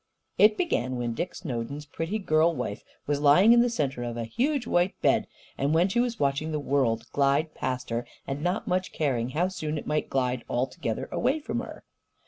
It began when Dick Snowden's pretty girl wife was lying in the centre of a huge white bed, and when she was watching the world glide past her and not much caring how soon it might glide altogether away from her.